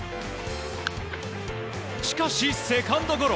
しかし、セカンドゴロ。